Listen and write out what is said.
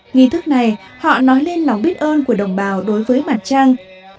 nghi thức này họ nói lên lòng biết ơn của đồng bào đối với mặt trăng